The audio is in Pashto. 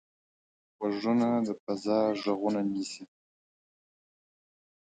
غوږونه د فضا غږونه نیسي